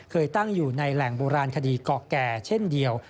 เคยตั้งอยู่ในแหล่งโบราณคดีเกาะแก่เช่นเดียว